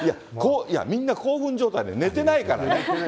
みんな興奮状態で寝てないからね。